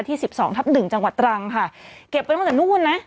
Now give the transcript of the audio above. สิบสองทับหนึ่งจังหวัดตรังค่ะเก็บไว้ตั้งแต่นู่นนะ